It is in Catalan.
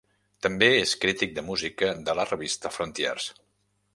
També és crític de música de la revista "Frontiers".